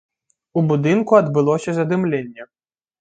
У будынку адбылося задымленне.